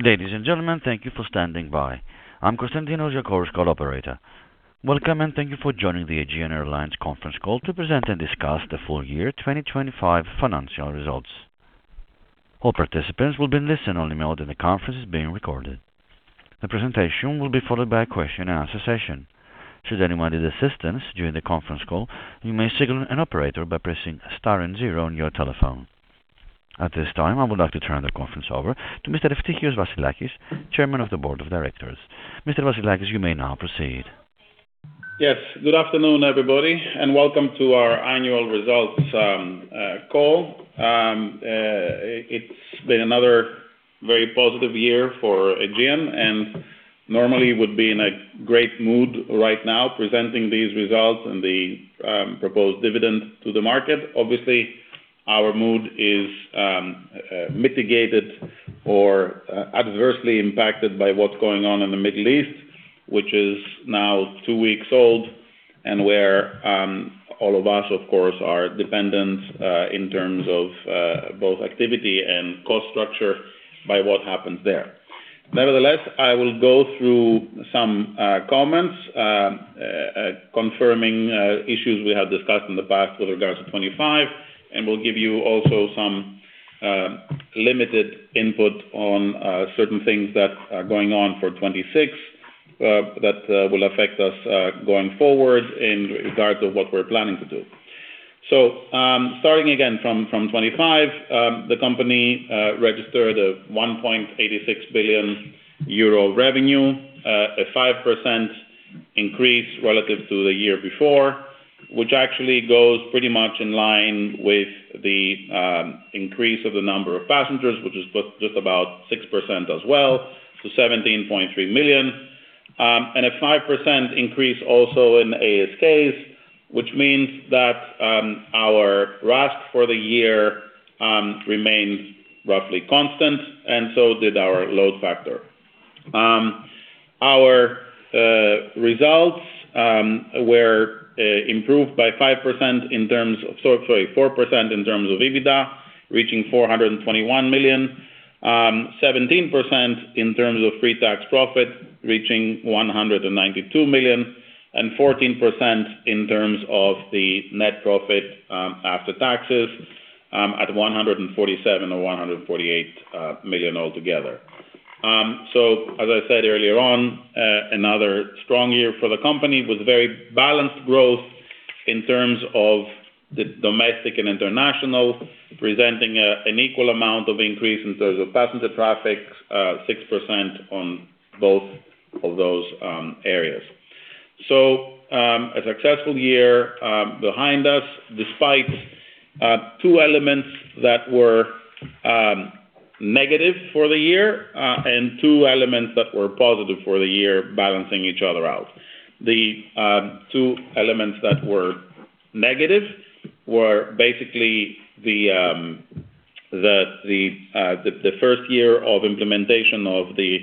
Ladies and gentlemen, thank you for standing by. I'm Konstantinos, your Chorus Call operator. call operator. Welcome, and thank you for joining the Aegean Airlines conference call to present and discuss the full year 2025 financial results. All participants will be in listen-only mode, and the conference is being recorded. The presentation will be followed by a question and answer session. Should anyone need assistance during the conference call, you may signal an operator by pressing star and zero on your telephone. At this time, I would like to turn the conference over to Mr. Eftichios Vassilakis, Chairman of the board of directors. Mr. Vassilakis, you may now proceed. Yes. Good afternoon, everybody, and welcome to our annual results call. It's been another very positive year for AEGEAN, and normally would be in a great mood right now presenting these results and the proposed dividend to the market. Obviously, our mood is mitigated or adversely impacted by what's going on in the Middle East, which is now two weeks old and where all of us, of course, are dependent in terms of both activity and cost structure by what happens there. Nevertheless, I will go through some comments confirming issues we have discussed in the past with regards to 2025, and we'll give you also some limited input on certain things that are going on for 2026 that will affect us going forward in regards of what we're planning to do. Starting again from 2025, the company registered a 1.86 billion euro revenue, a 5% increase relative to the year before, which actually goes pretty much in line with the increase of the number of passengers, which is just about 6% as well, to 17.3 million. And a 5% increase also in ASKs, which means that our RASK for the year remained roughly constant, and so did our load factor. Our results were improved by four percent in terms of EBITDA, reaching 421 million. Seventeen percent in terms of pre-tax profit, reaching 192 million. Fourteen percent in terms of the net profit, after taxes, at 147 million-148 million altogether. As I said earlier on, another strong year for the company with very balanced growth in terms of the domestic and international, presenting an equal amount of increase in terms of passenger traffic, 6% on both of those areas. A successful year behind us, despite two elements that were negative for the year and two elements that were positive for the year balancing each other out. The two elements that were negative were basically the first year of implementation of the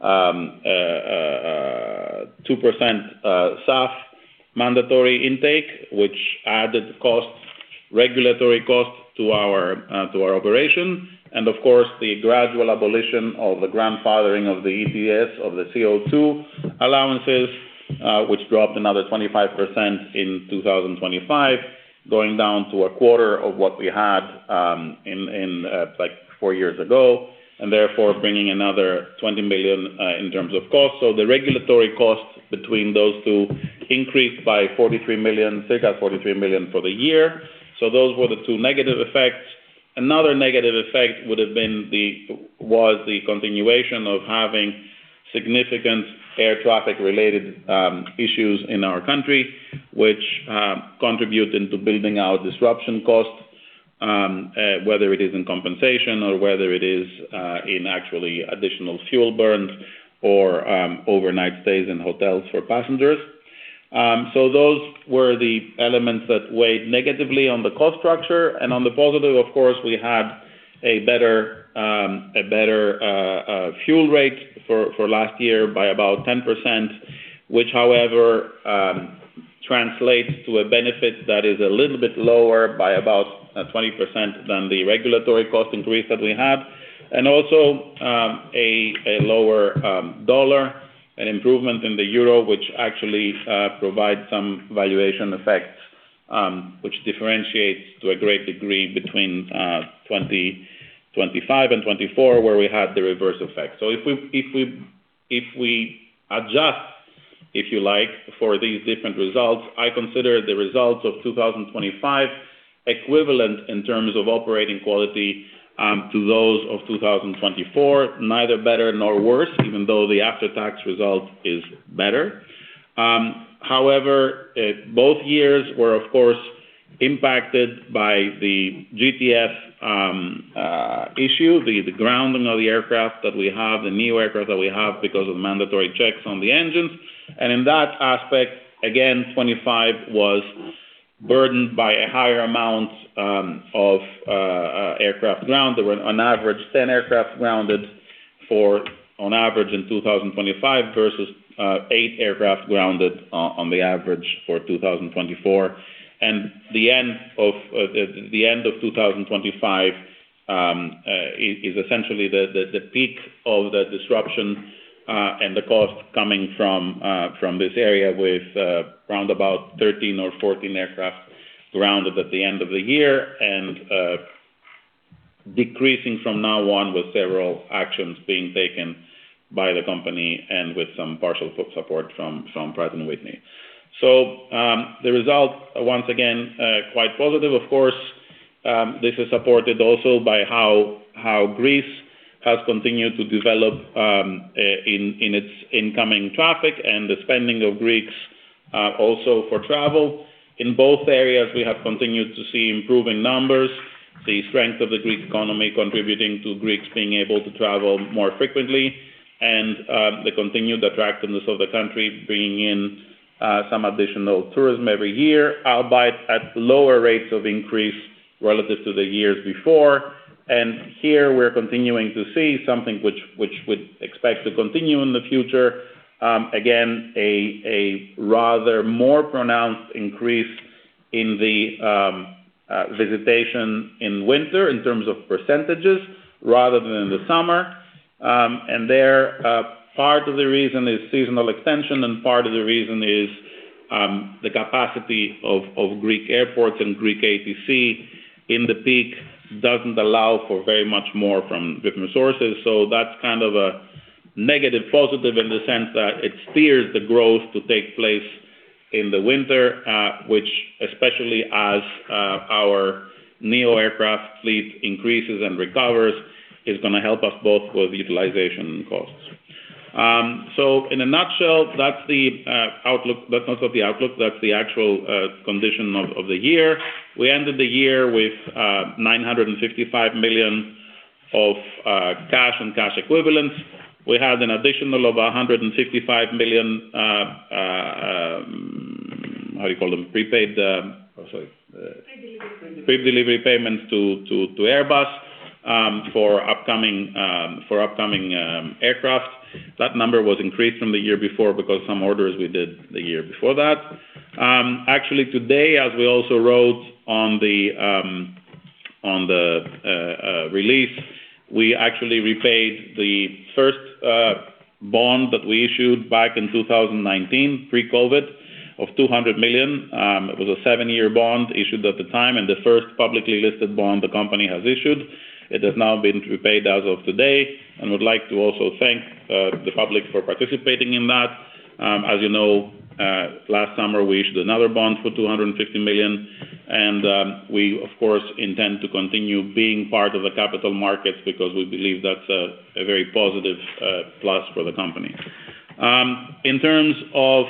2% SAF mandatory intake, which added costs, regulatory costs to our operation. Of course, the gradual abolition of the grandfathering of the ETS of the CO2 allowances, which dropped another 25% in 2025, going down to a quarter of what we had, like four years ago, and therefore bringing another 20 million in terms of costs. The regulatory costs between those two increased by 43 million, circa 43 million for the year. Those were the two negative effects. Another negative effect would have been the was the continuation of having significant air traffic related issues in our country, which contribute into building our disruption costs, whether it is in compensation or whether it is in actually additional fuel burns or overnight stays in hotels for passengers. Those were the elements that weighed negatively on the cost structure. On the positive, of course, we had a better fuel rate for last year by about 10%, which however translates to a benefit that is a little bit lower by about 20% than the regulatory cost increase that we had. Also, a lower dollar, an improvement in the euro, which actually provides some valuation effects, which differentiates to a great degree between 2025 and 2024, where we had the reverse effect. If we adjust, if you like, for these different results, I consider the results of 2025 equivalent in terms of operating quality to those of 2024, neither better nor worse, even though the after-tax result is better. However, both years were of course impacted by the GTF issue, the grounding of the aircraft that we have, the new aircraft that we have because of mandatory checks on the engines. In that aspect, again, 2025 was burdened by a higher amount of aircraft grounded. There were on average 10 aircraft grounded on average in 2025 versus 8 aircraft grounded on the average for 2024. The end of 2025 is essentially the peak of the disruption and the cost coming from this area with around 13 or 14 aircraft grounded at the end of the year and decreasing from now on with several actions being taken by the company and with some partial support from Pratt & Whitney. The result once again quite positive. Of course, this is supported also by how Greece has continued to develop in its incoming traffic and the spending of Greeks also for travel. In both areas we have continued to see improving numbers, the strength of the Greek economy contributing to Greeks being able to travel more frequently and the continued attractiveness of the country bringing in some additional tourism every year, albeit at lower rates of increase relative to the years before. Here we're continuing to see something which we'd expect to continue in the future. Again, a rather more pronounced increase in the visitation in winter in terms of percentages rather than in the summer. There, part of the reason is seasonal extension, and part of the reason is the capacity of Greek airports and Greek ATC in the peak doesn't allow for very much more from different sources. That's kind of a negative positive in the sense that it steers the growth to take place in the winter, which especially as our A321neo aircraft fleet increases and recovers, is gonna help us both with utilization costs. In a nutshell, that's the outlook. That's not the outlook, that's the actual condition of the year. We ended the year with 955 million of cash and cash equivalents. We had an additional over 155 million. Prepaid delivery payments to Airbus for upcoming aircraft. That number was increased from the year before because some orders we did the year before that. Actually today, as we also wrote on the release, we actually repaid the first bond that we issued back in 2019, pre-COVID, of 200 million. It was a seven-year bond issued at the time and the first publicly listed bond the company has issued. It has now been repaid as of today, and we'd like to also thank the public for participating in that. As you know, last summer we issued another bond for 250 million and we of course intend to continue being part of the capital markets because we believe that's a very positive plus for the company. In terms of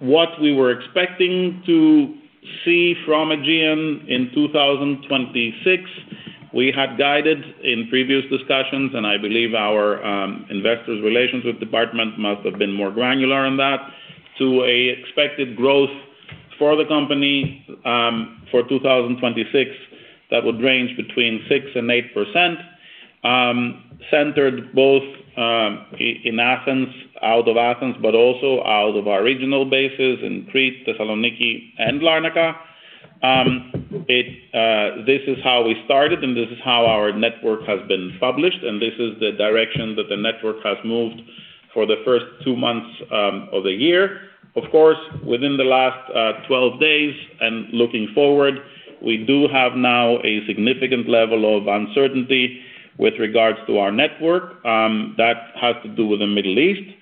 what we were expecting to see from AEGEAN in 2026, we had guided in previous discussions, and I believe our investor relations department must have been more granular on that, to an expected growth for the company for 2026 that would range between 6% and 8%, centered both in Athens, out of Athens, but also out of our regional bases in Crete, Thessaloniki and Larnaca. This is how we started and this is how our network has been published, and this is the direction that the network has moved for the first two months of the year. Of course, within the last 12 days and looking forward, we do have now a significant level of uncertainty with regards to our network. That has to do with the Middle East.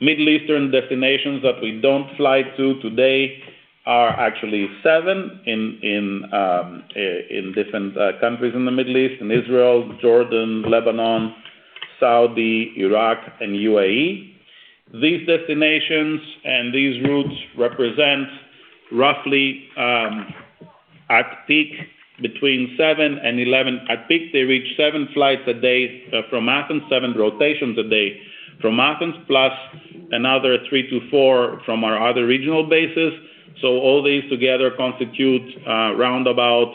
Middle Eastern destinations that we don't fly to today are actually seven in different countries in the Middle East. In Israel, Jordan, Lebanon, Saudi, Iraq and UAE. These destinations and these routes represent roughly at peak between seven and 11. At peak, they reach seven flights a day from Athens, seven rotations a day from Athens, plus another three to four from our other regional bases. All these together constitute roundabout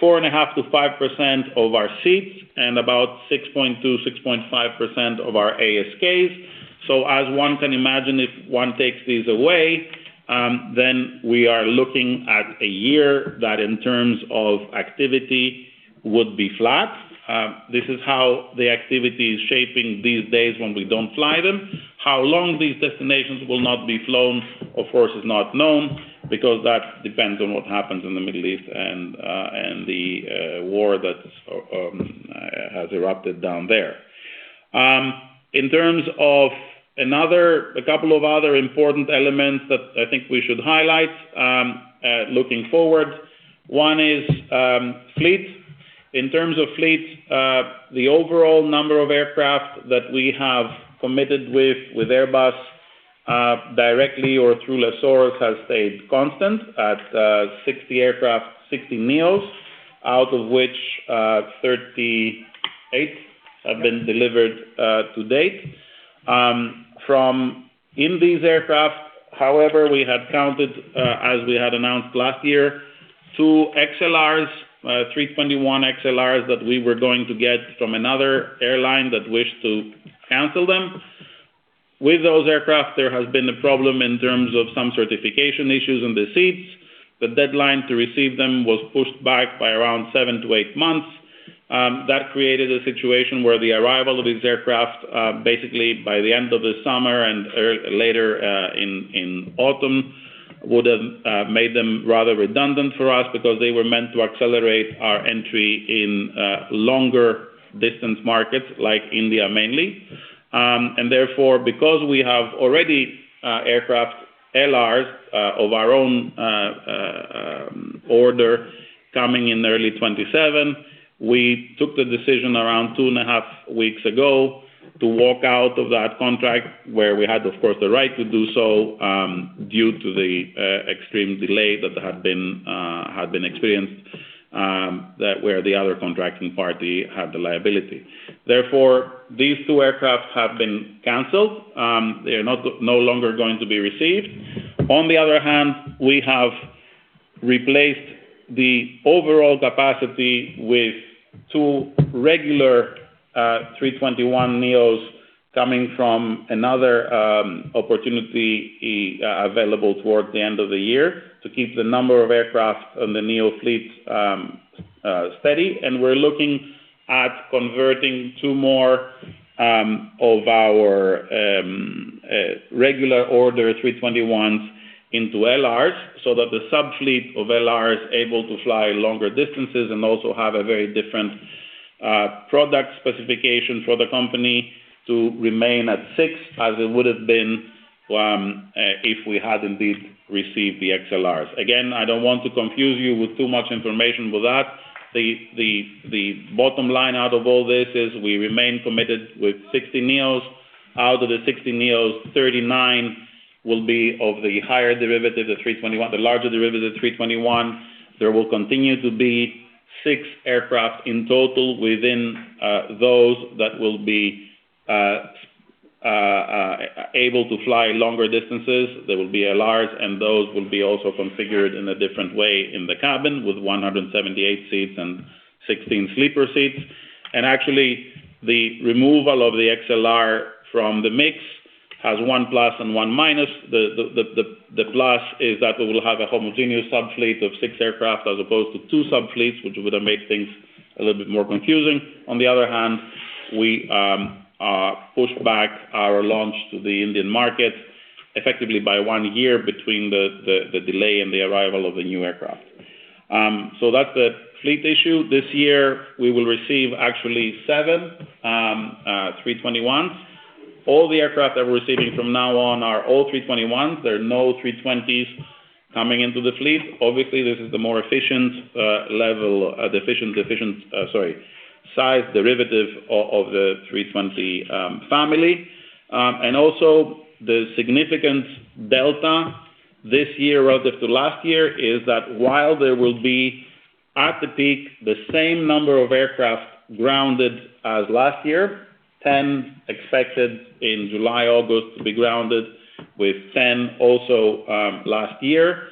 4.5%-5% of our seats and about 6.2%-6.5% of our ASKs. As one can imagine, if one takes these away, then we are looking at a year that in terms of activity would be flat. This is how the activity is shaping these days when we don't fly them. How long these destinations will not be flown, of course, is not known because that depends on what happens in the Middle East and the war that's has erupted down there. In terms of a couple of other important elements that I think we should highlight, looking forward, one is fleet. In terms of fleet, the overall number of aircraft that we have committed with Airbus directly or through lessors has stayed constant at 60 aircraft, 60 neos, out of which 38 have been delivered to date. From these aircraft, however, we had counted, as we had announced last year, two A321XLRs that we were going to get from another airline that wished to cancel them. With those aircraft, there has been a problem in terms of some certification issues in the seats. The deadline to receive them was pushed back by around seven to eight months. That created a situation where the arrival of these aircraft basically by the end of the summer and a year later in autumn would have made them rather redundant for us because they were meant to accelerate our entry in longer distance markets like India mainly. Therefore, because we have already aircraft LRs of our own order coming in early 2027, we took the decision around two and a half weeks ago to walk out of that contract where we had, of course, the right to do so due to the extreme delay that had been experienced where the other contracting party had the liability. These two aircraft have been canceled. They are no longer going to be received. On the other hand, we have replaced the overall capacity with two regular A321neos coming from another opportunity available toward the end of the year to keep the number of aircraft on the neo fleet steady. We're looking at converting two more of our regular order A321s into A321LRs so that the subfleet of A321LR is able to fly longer distances and also have a very different product specification for the company to remain at six, as it would've been if we had indeed received the A321XLRs. Again, I don't want to confuse you with too much information with that. The bottom line out of all this is we remain committed with 60 neos. Out of the 60 neos, 39 will be of the higher derivative, the A321neo, the larger derivative, A321neo. There will continue to be six aircraft in total within those that will be able to fly longer distances. They will be A321LRs, and those will be also configured in a different way in the cabin with 178 seats and 16 sleeper seats. Actually, the removal of the A321XLR from the mix has one plus and one minus. The plus is that we will have a homogeneous subfleet of six aircraft as opposed to two subfleets, which would have made things a little bit more confusing. On the other hand, we pushed back our launch to the Indian market effectively by one year between the delay and the arrival of the new aircraft. That's the fleet issue. This year, we will receive actually seven A321s. All the aircraft that we're receiving from now on are all A321s. There are no A320s coming into the fleet. Obviously, this is the more efficient size derivative of the A320 family. The significant delta this year relative to last year is that while there will be, at the peak, the same number of aircraft grounded as last year, 10 expected in July, August to be grounded with 10 also last year,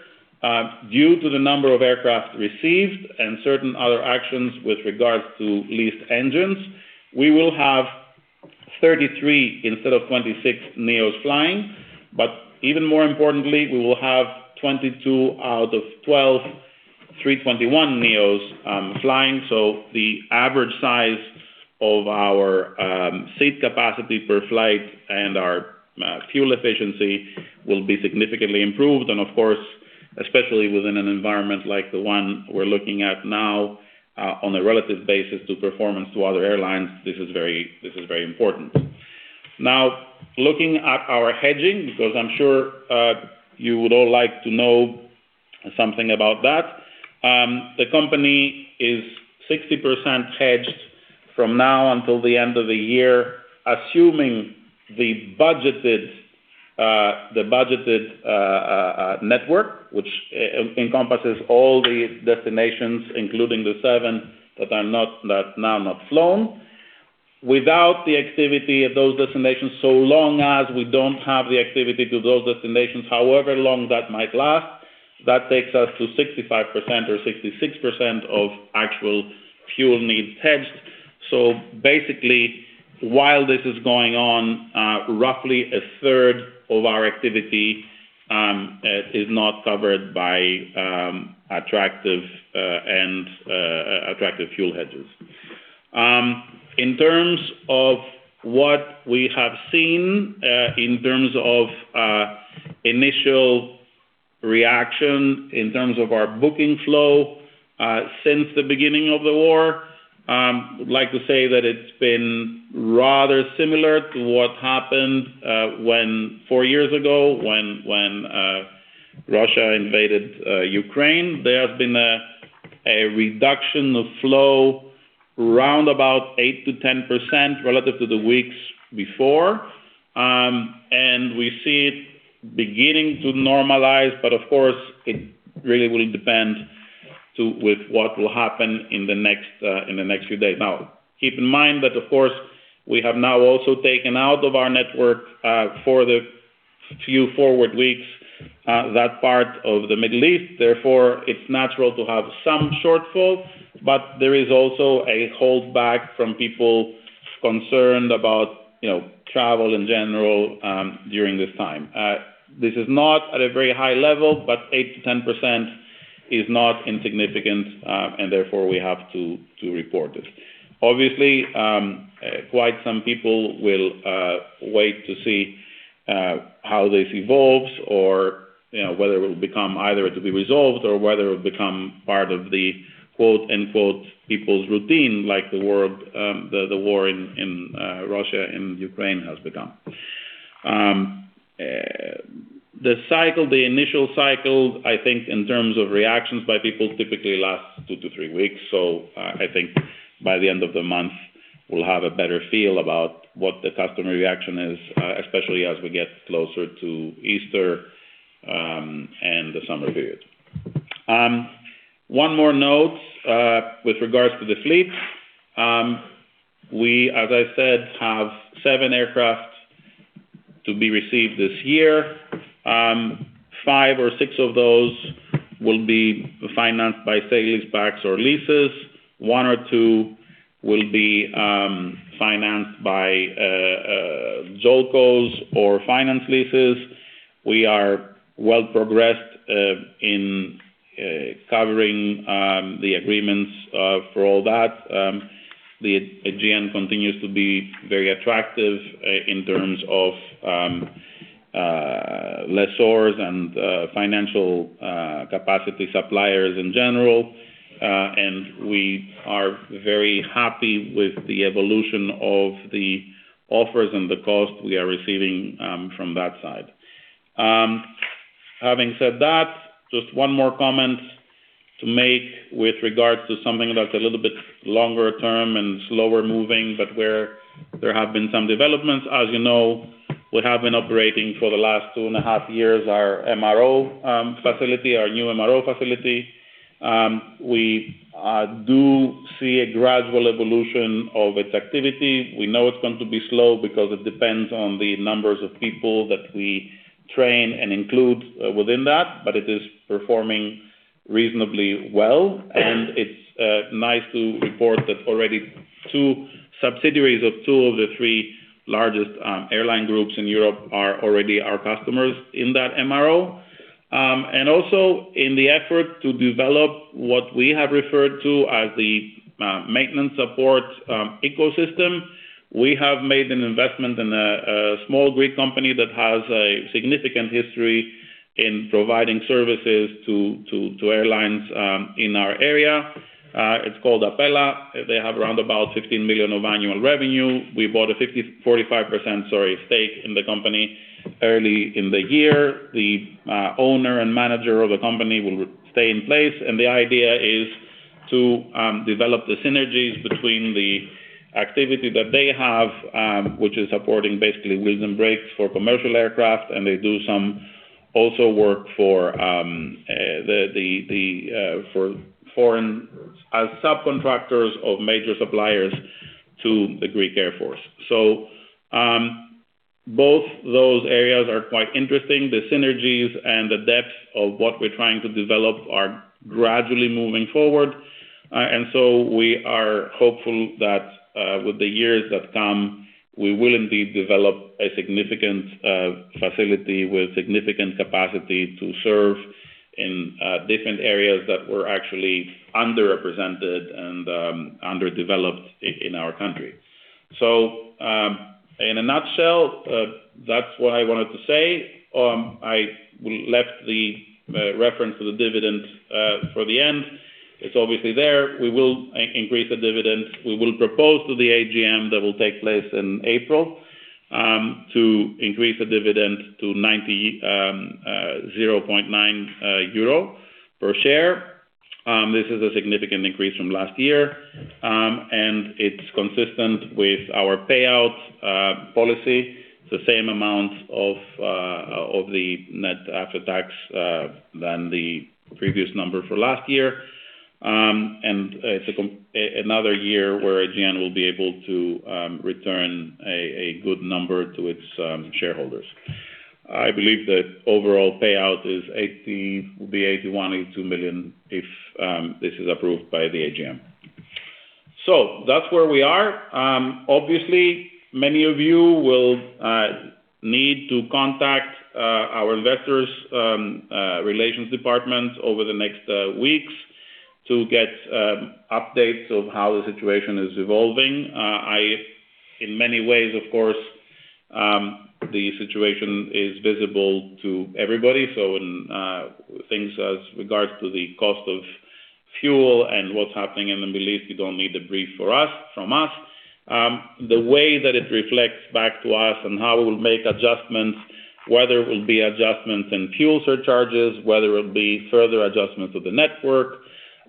due to the number of aircraft received and certain other actions with regards to leased engines, we will have 33 instead of 26 neos flying. But even more importantly, we will have 22 out of 12 A321neos flying. The average size of our seat capacity per flight and our fuel efficiency will be significantly improved. Of course, especially within an environment like the one we're looking at now, on a relative basis to performance to other airlines, this is very important. Now, looking at our hedging, because I'm sure you would all like to know something about that. The company is 60% hedged from now until the end of the year, assuming the budgeted network, which encompasses all the destinations, including the seven that are not, that now not flown. Without the activity at those destinations, so long as we don't have the activity to those destinations, however long that might last, that takes us to 65% or 66% of actual fuel needs hedged. Basically, while this is going on, roughly a third of our activity is not covered by attractive fuel hedges. In terms of what we have seen, in terms of initial reaction, in terms of our booking flow since the beginning of the war, I'd like to say that it's been rather similar to what happened four years ago, when Russia invaded Ukraine. There has been a reduction of flow around about 8%-10% relative to the weeks before. We see it beginning to normalize, but of course, it really will depend on what will happen in the next few days. Now, keep in mind that of course, we have now also taken out of our network, for the few forward weeks, that part of the Middle East, therefore, it's natural to have some shortfall, but there is also a holdback from people concerned about, you know, travel in general, during this time. This is not at a very high level, but 8%-10% is not insignificant, and therefore we have to report this. Obviously, quite some people will wait to see how this evolves or, you know, whether it will become either to be resolved or whether it will become part of the quote-unquote, people's routine like the war in Russia and Ukraine has become. The cycle, the initial cycle, I think in terms of reactions by people typically lasts two to three weeks. I think by the end of the month, we'll have a better feel about what the customer reaction is, especially as we get closer to Easter, and the summer period. One more note with regards to the fleet. We, as I said, have seven aircraft to be received this year. Five or six of those will be financed by sale and lease-backs or leases. One or two will be financed by JOLCOs or finance leases. We are well progressed in covering the agreements for all that. The AEGEAN continues to be very attractive in terms of lessors and financial capacity suppliers in general. We are very happy with the evolution of the offers and the cost we are receiving from that side. Having said that, just one more comment to make with regards to something that's a little bit longer term and slower moving, but where there have been some developments. As you know, we have been operating for the last two and half years our MRO facility, our new MRO facility. We do see a gradual evolution of its activity. We know it's going to be slow because it depends on the numbers of people that we train and include within that. It is performing reasonably well, and it's nice to report that already two subsidiaries of two of the three largest airline groups in Europe are already our customers in that MRO. Also in the effort to develop what we have referred to as the maintenance support ecosystem, we have made an investment in a small Greek company that has a significant history in providing services to airlines in our area. It's called APELLA. They have around 15 million of annual revenue. We bought a 45%, sorry, stake in the company early in the year. The owner and manager of the company will stay in place, and the idea is to develop the synergies between the activity that they have, which is supporting basically wheels and brakes for commercial aircraft. They do some also work for foreign, as subcontractors of major suppliers to the Greek Air Force. Both those areas are quite interesting. The synergies and the depth of what we're trying to develop are gradually moving forward. We are hopeful that with the years that come, we will indeed develop a significant facility with significant capacity to serve in different areas that were actually underrepresented and underdeveloped in our country. In a nutshell, that's what I wanted to say. I left the reference to the dividend for the end. It's obviously there. We will increase the dividend. We will propose to the AGM that will take place in April to increase the dividend to 0.90 euro per share. This is a significant increase from last year. It's consistent with our payout policy. It's the same amount of the net after tax than the previous number for last year. It's another year where AEGEAN will be able to return a good number to its shareholders. I believe that overall payout is 80 million, will be 81 million- 82 million if this is approved by the AGM. That's where we are. Obviously, many of you will need to contact our investor relations department over the next weeks to get updates of how the situation is evolving. In many ways, of course, the situation is visible to everybody. When things as regards to the cost of fuel and what's happening in the Middle East, you don't need a brief from us. The way that it reflects back to us and how we'll make adjustments, whether it will be adjustments in fuel surcharges, whether it'll be further adjustments to the network,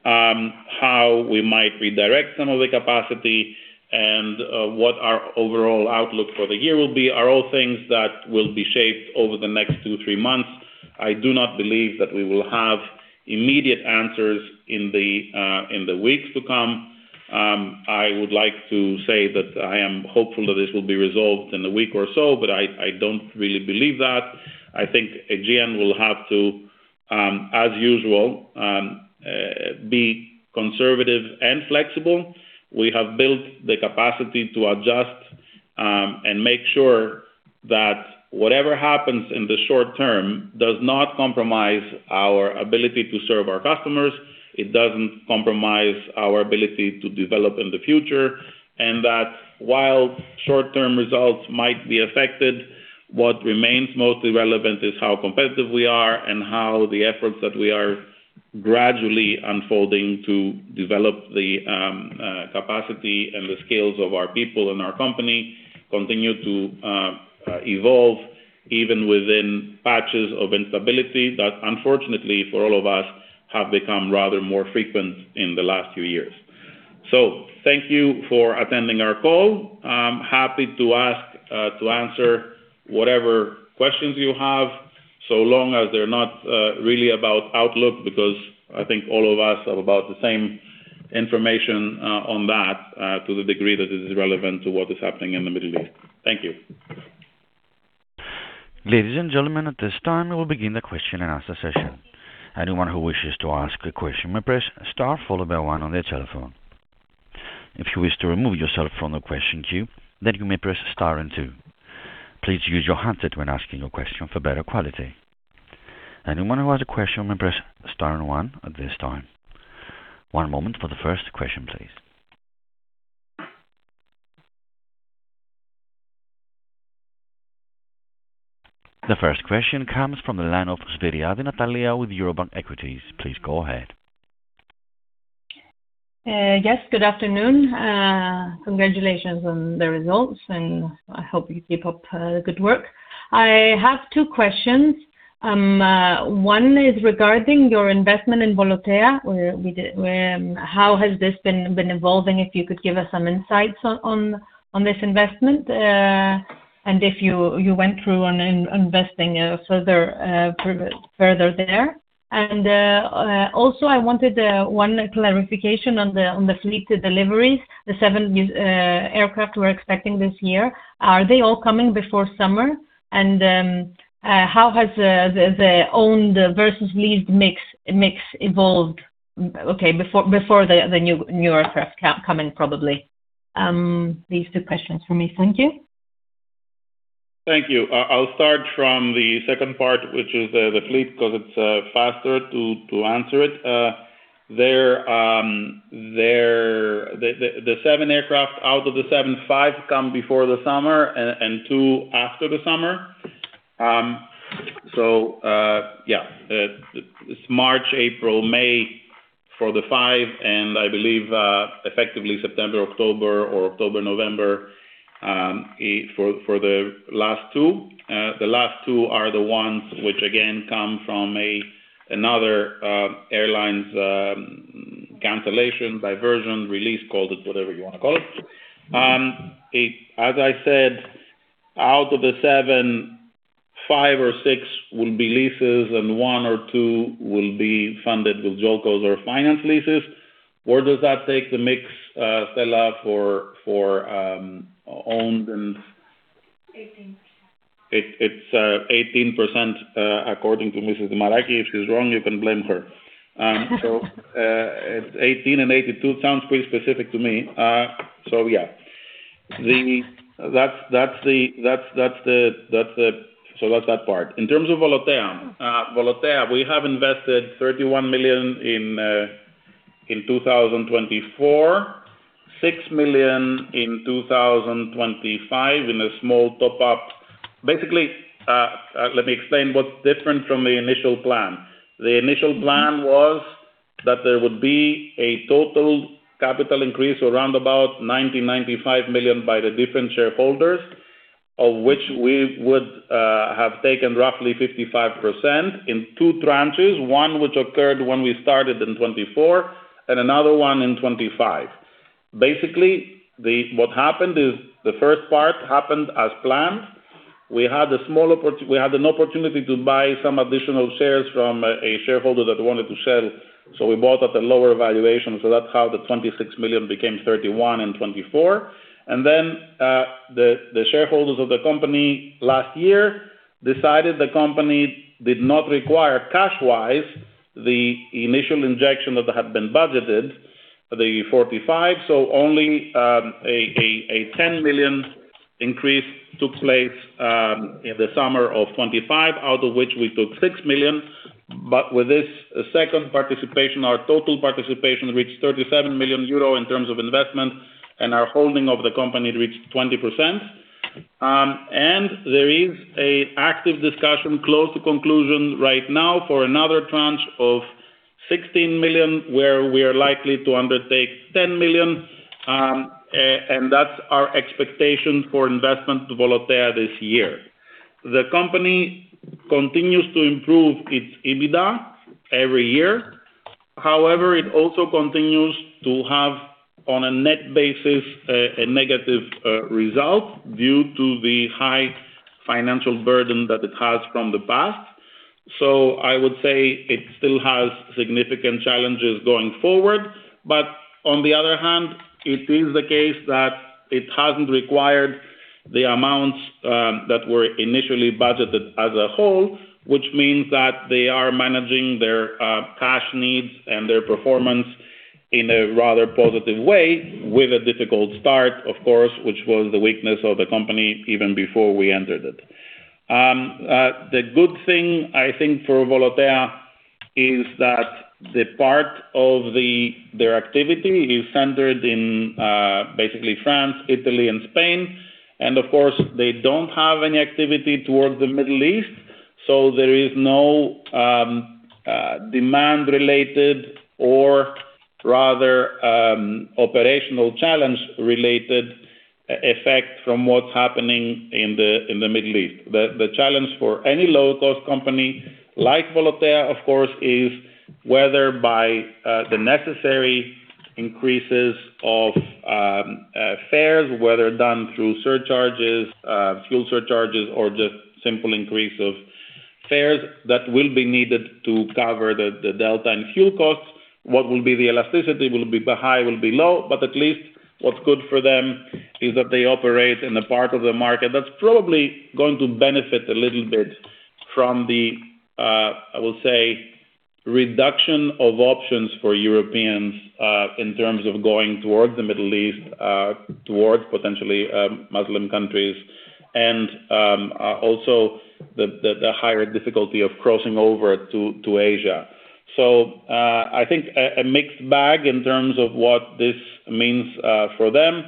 how we might redirect some of the capacity and what our overall outlook for the year will be, are all things that will be shaped over the next two, three months. I do not believe that we will have immediate answers in the weeks to come. I would like to say that I am hopeful that this will be resolved in a week or so, but I don't really believe that. I think AEGEAN will have to, as usual, be conservative and flexible. We have built the capacity to adjust, and make sure that whatever happens in the short term does not compromise our ability to serve our customers. It doesn't compromise our ability to develop in the future, and that while short-term results might be affected, what remains mostly relevant is how competitive we are and how the efforts that we are gradually unfolding to develop the capacity and the skills of our people and our company continue to evolve even within patches of instability that, unfortunately for all of us, have become rather more frequent in the last few years. Thank you for attending our call. I'm happy to answer whatever questions you have, so long as they're not really about outlook, because I think all of us have about the same information on that to the degree that it is relevant to what is happening in the Middle East. Thank you. Ladies and gentlemen, at this time, we will begin the question and answer session. Anyone who wishes to ask a question may press star followed by one on their telephone. If you wish to remove yourself from the question queue, then you may press star and two. Please use your headset when asking your question for better quality. Anyone who has a question may press star and one at this time. One moment for the first question, please. The first question comes from the line of Natalia Svyriadi with Eurobank Equities. Please go ahead. Yes, good afternoon. Congratulations on the results, and I hope you keep up the good work. I have two questions. One is regarding your investment in Volotea, how has this been evolving? If you could give us some insights on this investment, and if you went through on investing further there. Also, I wanted one clarification on the fleet deliveries, the seven aircraft we're expecting this year. Are they all coming before summer? How has the owned versus leased mix evolved, okay, before the newer aircraft come in probably. These two questions for me. Thank you. Thank you. I'll start from the second part, which is the fleet, 'cause it's faster to answer it. The seven aircraft out of the seven, five come before the summer and two after the summer. It's March, April, May for the five and I believe effectively September, October or October, November for the last two. The last two are the ones which again come from another airline's cancellation, diversion, release, call it whatever you wanna call it. As I said, out of the seven, five or six will be leases and one or two will be funded with JOLCOs or finance leases. Where does that take the mix, Stella for owned and 18%. It's 18% according to Mrs. Dimaraki. If she's wrong, you can blame her. It's 18% and 82%. Sounds pretty specific to me. Yeah. That's that part. In terms of Volotea. Volotea, we have invested 31 million in 2024, 6 million in 2025 in a small top-up. Basically, let me explain what's different from the initial plan. The initial plan was that there would be a total capital increase around 90 million- 95 million by the different shareholders, of which we would have taken roughly 55% in two tranches. One, which occurred when we started in 2024, and another one in 2025. Basically, what happened is the first part happened as planned. We had an opportunity to buy some additional shares from a shareholder that wanted to sell, so we bought at a lower valuation. That's how the 26 million became 31 million in 2024. The shareholders of the company last year decided the company did not require cash-wise the initial injection that had been budgeted, the 45 million. Only a 10 million increase took place in the summer of 2025, out of which we took 6 million. With this second participation, our total participation reached 37 million euro in terms of investment, and our holding of the company reached 20%. There is an active discussion close to conclusion right now for another tranche of 16 million, where we are likely to undertake 10 million, and that's our expectation for investment to Volotea this year. The company continues to improve its EBITDA every year. However, it also continues to have, on a net basis, a negative result due to the high financial burden that it has from the past. I would say it still has significant challenges going forward. On the other hand, it is the case that it hasn't required the amounts that were initially budgeted as a whole, which means that they are managing their cash needs and their performance in a rather positive way with a difficult start, of course, which was the weakness of the company even before we entered it. The good thing, I think, for Volotea is that their activity is centered in basically France, Italy, and Spain, and of course, they don't have any activity towards the Middle East, so there is no demand-related or rather operational challenge related effect from what's happening in the Middle East. The challenge for any low-cost company like Volotea, of course, is whether the necessary increases of fares, whether done through surcharges, fuel surcharges or just simple increase of fares that will be needed to cover the delta in fuel costs. What will be the elasticity? Will it be high? Will it be low? At least what's good for them is that they operate in a part of the market that's probably going to benefit a little bit from the, I will say, reduction of options for Europeans, in terms of going towards the Middle East, towards potentially, Muslim countries, and, also the higher difficulty of crossing over to Asia. I think a mixed bag in terms of what this means for them.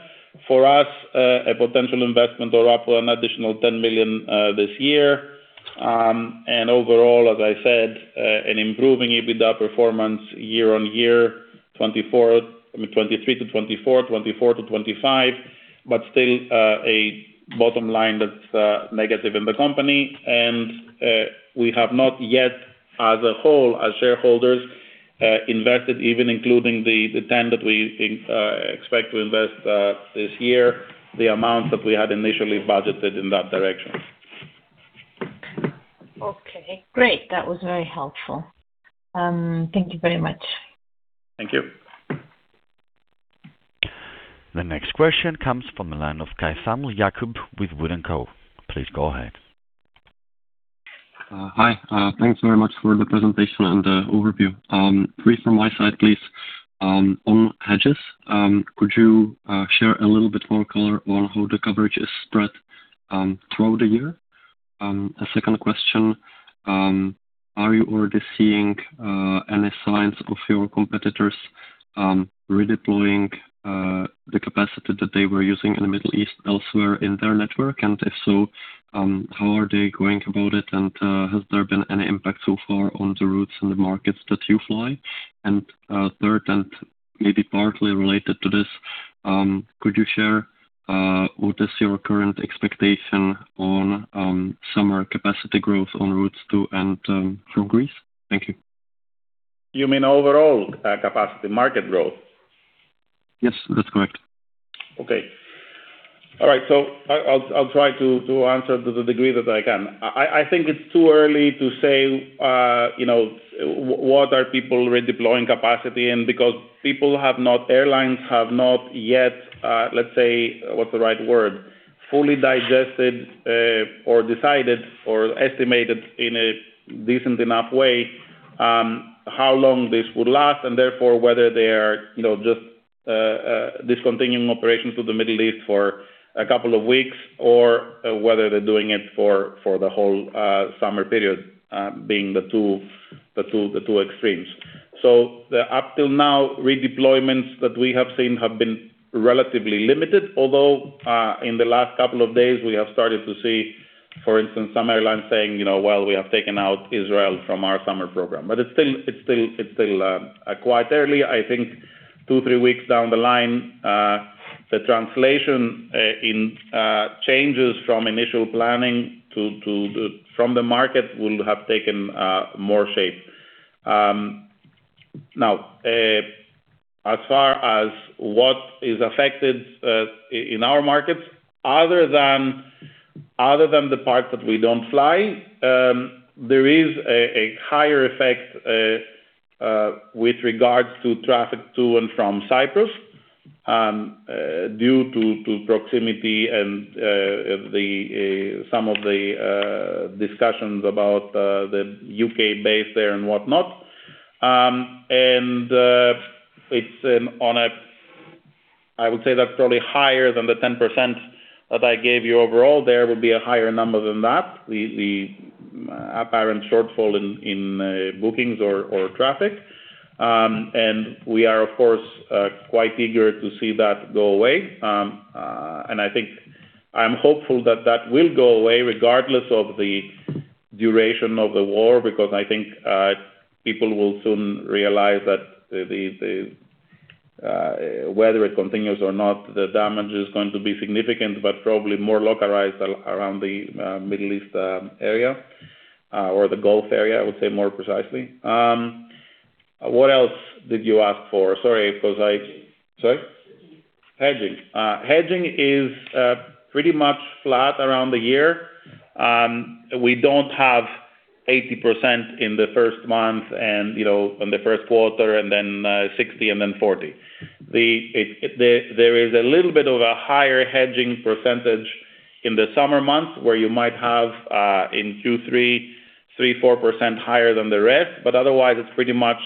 For us, a potential investment of up an additional 10 million this year. And overall, as I said, an improving EBITDA performance year on year 2023 to 2024 to 2025, but still, a bottom line that's negative in the company. We have not yet, as a whole, as shareholders, invested, even including the 10 that we expect to invest this year, the amount that we had initially budgeted in that direction. Okay, great. That was very helpful. Thank you very much. Thank you. The next question comes from the line of Jakub Caithaml with WOOD & Company. Please go ahead. Hi. Thanks very much for the presentation and the overview. Brief from my side, please, on hedges, could you share a little bit more color on how the coverage is spread throughout the year? A second question, are you already seeing any signs of your competitors redeploying the capacity that they were using in the Middle East elsewhere in their network? If so, how are they going about it? Has there been any impact so far on the routes and the markets that you fly? Third, and maybe partly related to this, could you share what is your current expectation on summer capacity growth on routes to and from Greece? Thank you. You mean overall, capacity market growth? Yes, that's correct. Okay. All right. I'll try to answer to the degree that I can. I think it's too early to say, you know, what are people redeploying capacity in because airlines have not yet, let's say, what's the right word? Fully digested, or decided, or estimated in a decent enough way, how long this would last, and therefore whether they are, you know, just, discontinuing operations to the Middle East for a couple of weeks or whether they're doing it for the whole summer period, being the two extremes. The up till now, redeployments that we have seen have been relatively limited. Although in the last couple of days, we have started to see, for instance, some airlines saying, you know, "Well, we have taken out Israel from our summer program." It's still quite early. I think two, three weeks down the line, the changes from initial planning to the market will have taken more shape. Now, as far as what is affected in our markets, other than the parts that we don't fly, there is a higher effect with regards to traffic to and from Cyprus due to proximity and some of the discussions about the U.K. base there and whatnot. I would say that's probably higher than the 10% that I gave you overall. There will be a higher number than that, the apparent shortfall in bookings or traffic. We are, of course, quite eager to see that go away. I think I'm hopeful that that will go away regardless of the duration of the war, because I think people will soon realize that the whether it continues or not, the damage is going to be significant, but probably more localized around the Middle East area or the Gulf area, I would say more precisely. What else did you ask for? Sorry, 'cause I Hedging. Sorry. Hedging. Hedging. Hedging is pretty much flat around the year. We don't have 80% in the first month and, you know, in the first quarter and then 60% and then 40%. If there is a little bit of a higher hedging percentage in the summer months, where you might have in Q3, 3%-4% higher than the rest. Otherwise, it's pretty much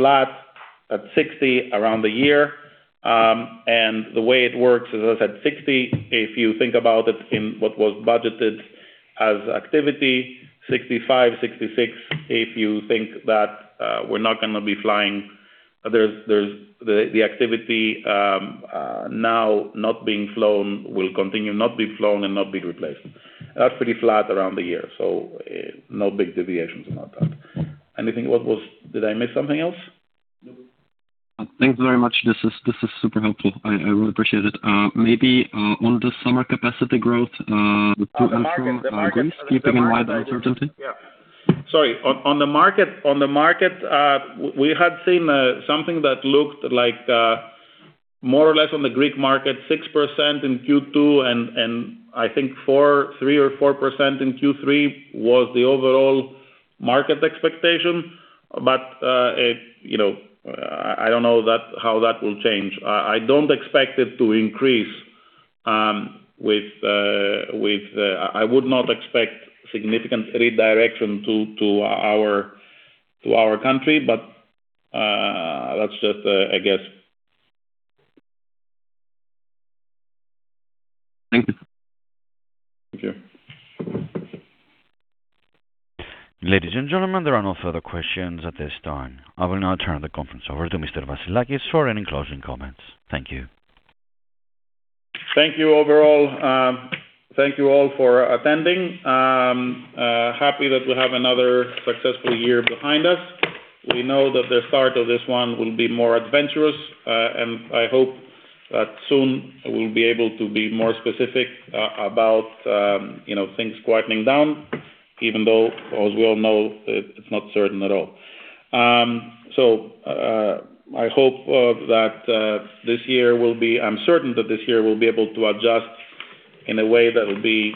flat at 60% around the year. The way it works is, as I said, 60%, if you think about it in what was budgeted as activity, 65%, 66%, if you think that we're not gonna be flying, the activity now not being flown will continue not being flown and not being replaced. That's pretty flat around the year, no big deviations about that. Did I miss something else? No. Thanks very much. This is super helpful. I really appreciate it. Maybe on the summer capacity growth. On the market. keeping in mind the uncertainty. Sorry. On the market, we had seen something that looked like more or less on the Greek market, 6% in Q2, and I think 3%-4% in Q3 was the overall market expectation. You know, I don't know how that will change. I don't expect it to increase. I would not expect significant redirection to our country, but that's just a guess. Thank you. Thank you. Ladies and gentlemen, there are no further questions at this time. I will now turn the conference over to Mr. Vassilakis for any closing comments. Thank you. Thank you overall. Thank you all for attending. Happy that we have another successful year behind us. We know that the start of this one will be more adventurous, and I hope that soon we'll be able to be more specific about, you know, things quieting down, even though, as we all know, it's not certain at all. I hope that this year will be. I'm certain that this year we'll be able to adjust in a way that will be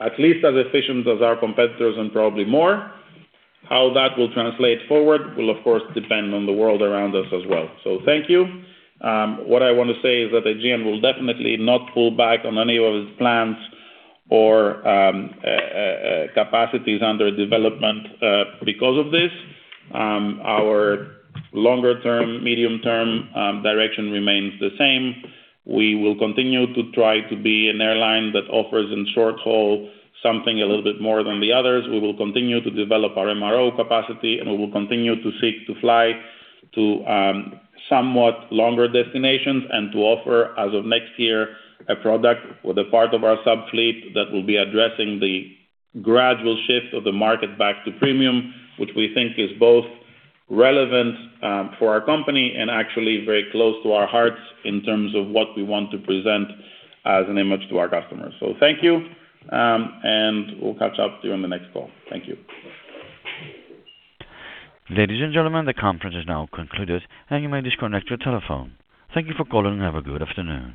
at least as efficient as our competitors and probably more. How that will translate forward will, of course, depend on the world around us as well. Thank you. What I wanna say is that AEGEAN will definitely not pull back on any of its plans or capacities under development because of this. Our longer-term, medium-term direction remains the same. We will continue to try to be an airline that offers in short-haul something a little bit more than the others. We will continue to develop our MRO capacity, and we will continue to seek to fly to somewhat longer destinations and to offer, as of next year, a product with a part of our sub-fleet that will be addressing the gradual shift of the market back to premium, which we think is both relevant for our company and actually very close to our hearts in terms of what we want to present as an image to our customers. Thank you, and we'll catch up during the next call. Thank you. Ladies and gentlemen, the conference is now concluded, and you may disconnect your telephone. Thank you for calling and have a good afternoon.